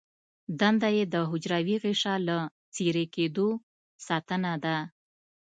دنده یې د حجروي غشا له څیرې کیدو ساتنه ده.